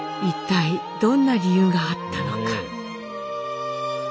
一体どんな理由があったのか？